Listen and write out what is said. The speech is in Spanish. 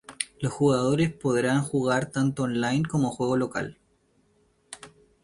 Los jugadores podrán jugar tanto on-line como juego local.